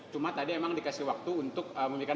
cuma tadi emang dikasih waktu untuk memiliki jawaban